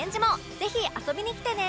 ぜひ遊びに来てね！